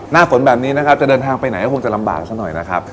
หน้าฝนแบบนี้นะครับจะเดินทางไปไหนก็คงจะลำบากซะหน่อยนะครับ